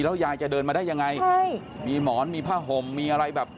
ยายจะเดินมาได้ยังไงใช่มีหมอนมีผ้าห่มมีอะไรแบบ